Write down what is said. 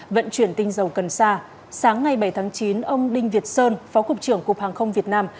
vận chuyển tin dầu cần xa sáng ngày bảy tháng chín ông đinh việt sơn phó cục trưởng cục hàng không việt nam